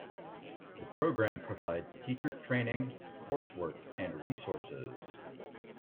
The program provides teacher training, coursework, and resources.